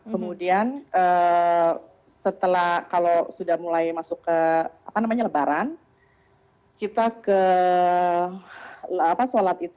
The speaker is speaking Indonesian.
kemudian setelah kalau sudah mulai masuk ke lebaran kita ke sholat id